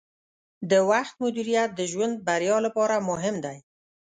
د وخت مدیریت د ژوند بریا لپاره مهم دی.